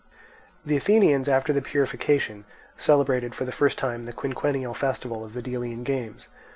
The Athenians, after the purification, celebrated, for the first time, the quinquennial festival of the Delian games.